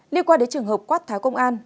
liên quan đến trường hợp quát tháo công an